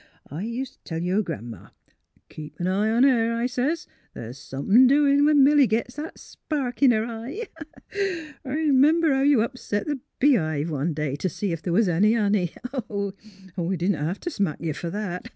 I ust' t' tell yer Gran 'ma, ' Keep an eye on her,' I sez, ' th's somethin' doin' when Milly gits that spark in her eye.' 'Member how you upset the bee hive one day t' see if the' was any honey! We didn't hev t' smack ye fer that.